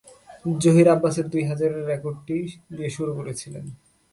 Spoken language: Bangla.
জহির আব্বাসের দুই হাজারের রেকর্ডটি দিয়ে শুরু করেছিলেন।